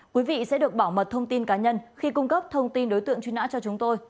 quý vị sẽ được bảo mật thông tin cá nhân khi cung cấp thông tin đối tượng truy nã cho chúng tôi